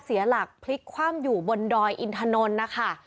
เสียหลักพลิกคว่ำอยู่บนดอยอินทนนท์นะคะ